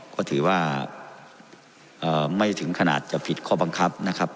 ก็ถือว่าไม่ถึงขนาดจะผิดข้อบังคับนะครับ